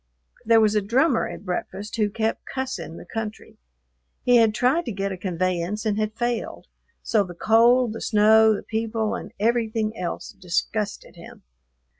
There was a drummer at breakfast who kept "cussing" the country. He had tried to get a conveyance and had failed; so the cold, the snow, the people, and everything else disgusted him.